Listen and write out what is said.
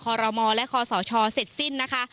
รมและคศเสร็จสิ้นนะคะ